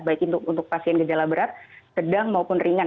baik untuk pasien gejala berat sedang maupun ringan